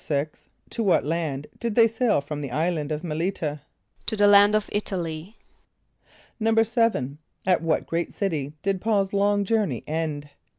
= To what land did they sail from the island of M[)e]l´[)i] t[.a]? =To the land of [)I]t´a l[)y].= =7.= At what great city did P[a:]ul's long journey end?